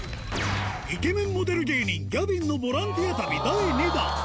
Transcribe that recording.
イケメンモデル芸人、ギャビンのボランティア旅第２弾。